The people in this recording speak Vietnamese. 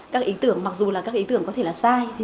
các ý tưởng mặc dù là các ý tưởng có thể là sai